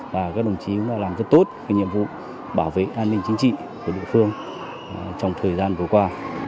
và các đồng chí cũng đã làm rất tốt nhiệm vụ bảo vệ an ninh chính trị của địa phương trong thời gian vừa qua